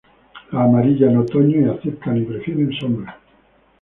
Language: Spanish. Las amarillas, en otoño y aceptan y prefieren sombra.